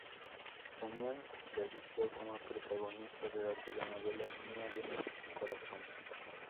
Damián la eligió como protagonista de la telenovela, "Niña de mi corazón".